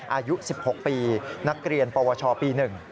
อายุ๑๖ปีนักเรียนปวชปี๑